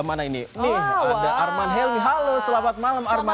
mana ini nih ada arman helmi halo selamat malam arman